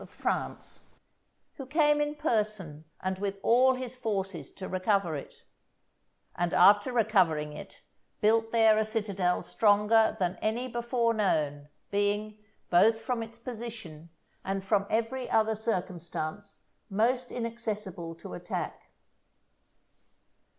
of France, who came in person and with all his forces to recover it; and after recovering it built there a citadel stronger than any before known, being, both from its position and from every other circumstance, most inaccessible to attack.